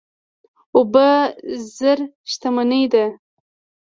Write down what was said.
اوبه زر شتمني ده.